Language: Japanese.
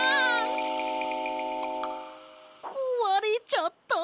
こわれちゃった。